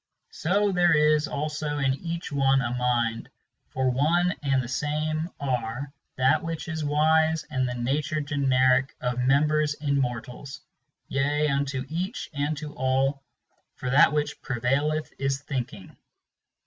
So there is also in each one a mind; for one and the same are That which is wise and the nature generic of members in mortals, Yea, unto each and to all ; for that which prevaileth is thinking.